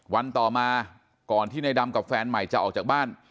วันต่อมาก่อนที่ในดำกับแฟนใหม่จะออกจากบ้าน